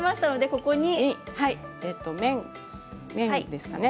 ここに麺ですかね。